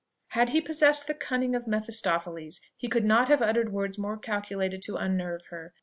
Had he possessed the cunning of Mephistophiles, he could not have uttered words more calculated to unnerve her.